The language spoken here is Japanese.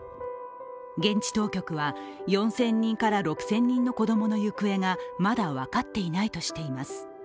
現地当局は４０００人から６０００人の子供の行方がまだ分かっていないとしています。